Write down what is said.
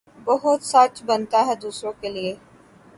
بہت سچا بنتا ھے دوسروں کے لئے